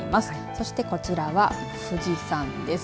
そして、こちらは富士山です